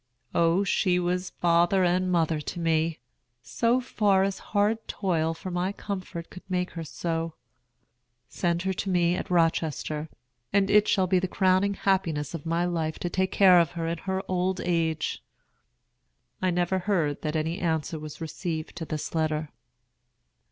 O, she was father and mother to me, so far as hard toil for my comfort could make her so. Send her to me at Rochester, and it shall be the crowning happiness of my life to take care of her in her old age." I never heard that any answer was received to this letter.